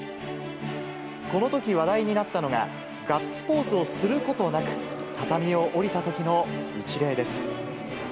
このとき話題になったのが、ガッツポーズをすることなく、畳を降りたときの一礼です。